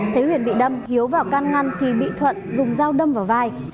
thấy huyền bị đâm hiếu vào can ngăn thì bị thuận dùng dao đâm vào vai